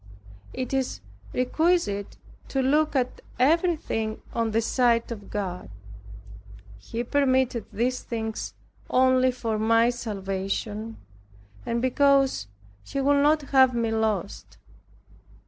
It is requisite to look at everything on the side of God. He permitted these things only for my salvation, and because He would not have me lost.